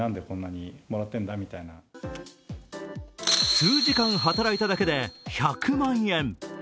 数時間働いただけで１００万円。